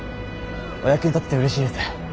お役に立ててうれしいです。